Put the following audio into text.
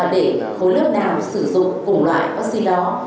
để khối lớp nào sử dụng cùng loại vaccine đó